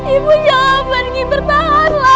ibu jangan pergi